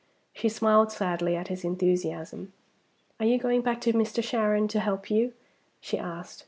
She smiled sadly as his enthusiasm. "Are you going back to Mr. Sharon to help you?" she asked.